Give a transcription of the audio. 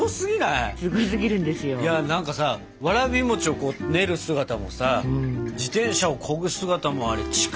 いや何かさわらび餅をこう練る姿もさ自転車をこぐ姿もあれ力強かったですよ。